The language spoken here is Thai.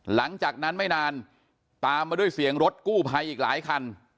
หลังจากนั้นไม่นานตามมาด้วยเสียงรถกู้ภัยอีกหลายคัน